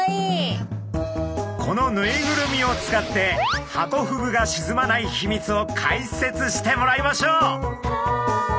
このぬいぐるみを使ってハコフグが沈まないヒミツを解説してもらいましょう！